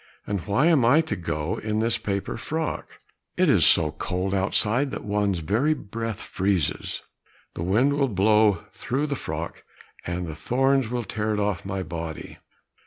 And why am I to go in this paper frock? It is so cold outside that one's very breath freezes! The wind will blow through the frock, and the thorns will tear it off my body."